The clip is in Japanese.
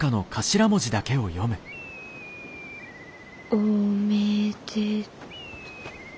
おめでと。